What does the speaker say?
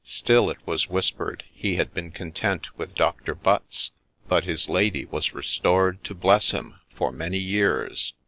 Still it was whispered he had been content with Doctor Butts ; but his lady was restored to bless him for many years.